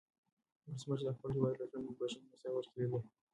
ولسمشر د خپل هېواد راتلونکی په بښنې او صبر کې لیده.